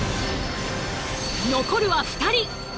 残るは２人！